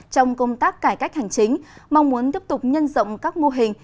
trong công tác cải cách hành chính mong muốn tiếp tục nhân rộng các mô hình